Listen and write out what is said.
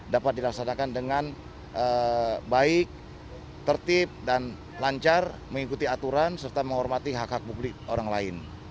dapat dilaksanakan dengan baik tertib dan lancar mengikuti aturan serta menghormati hak hak publik orang lain